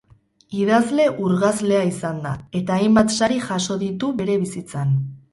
Idazle urgazlea izan da, eta hainbat sari jaso ditu bere bizitzan.